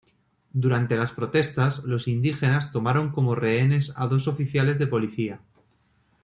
Durante las protestas, los indígenas tomaron como rehenes a dos oficiales de policía.